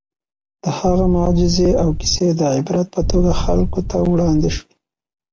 د هغه معجزې او کیسې د عبرت په توګه خلکو ته وړاندې شوي.